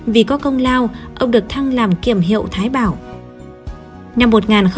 vì có công lao ông được thăng làm kiểm hiệu thánh